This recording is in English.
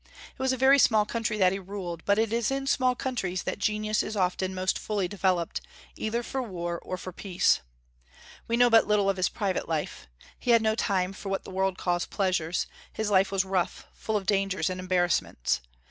It was a very small country that he ruled, but it is in small countries that genius is often most fully developed, either for war or for peace. We know but little of his private life. He had no time for what the world calls pleasures; his life was rough, full of dangers and embarrassments.